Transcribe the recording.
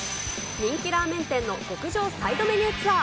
人気ラーメン店の極上サイドメニューツアー！